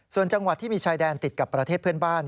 ส่วนจังหวัดที่มีชายแดนติดกับประเทศเพื่อนบ้าน